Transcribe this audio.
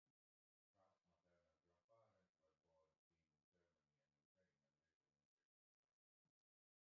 Krauss's maternal grandparents were born in Germany and Ukraine and later immigrated to London.